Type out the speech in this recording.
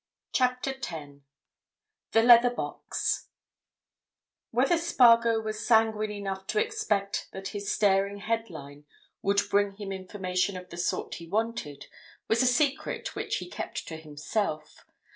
CHAPTER TEN THE LEATHER BOX Whether Spargo was sanguine enough to expect that his staring headline would bring him information of the sort he wanted was a secret which he kept to himself.